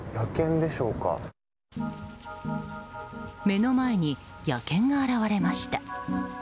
目の前に野犬が現れました。